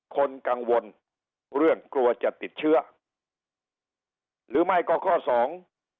คนกังวลเรื่องกลัวจะติดเชื้อหรือไม่ก็ข้อสอง